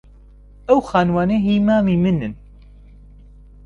ئەو خانووانە هیی مامی منن.